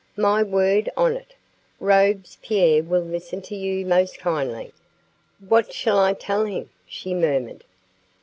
My word on it Robespierre will listen to you most kindly." "What shall I tell him?" she murmured.